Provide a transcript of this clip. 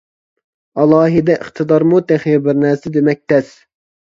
» «ئالاھىدە ئىقتىدارمۇ تېخى بىر نەرسە دېمەك تەس.